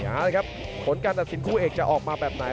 หาเลยครับผลการตัดสินคู่เอกจะออกมาแบบไหน